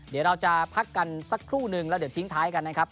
เดี๋ยวเราจะพักกันสักครู่นึงแล้วเดี๋ยวทิ้งท้ายกันนะครับ